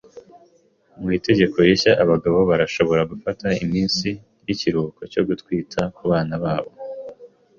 Mu itegeko rishya, abagabo barashobora gufata iminsi y'ikiruhuko cyo kwita ku bana babo.